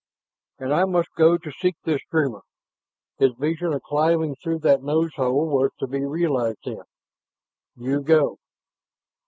"And I must go to seek this dreamer?" His vision of climbing through that nose hole was to be realized then. "You go."